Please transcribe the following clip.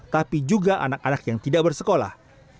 tapi juga anak anak yang tidak bersekolah